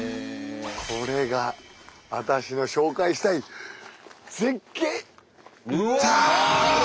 これが私の紹介したい絶景だ！